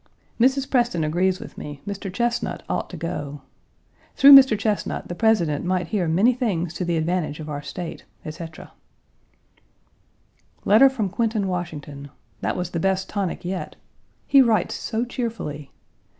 Mrs. Preston agrees with me, Mr. Chesnut ought to go. Through Mr. Chesnut the President might hear many things to the advantage of our State, etc. Letter from Quinton Washington. That was the best tonic yet. He writes so cheerfully.